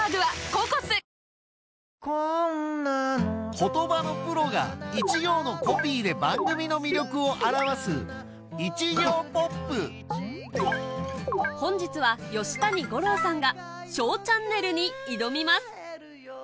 言葉のプロが一行のコピーで番組の魅力を表す本日は吉谷吾郎さんが『ＳＨＯＷチャンネル』に挑みます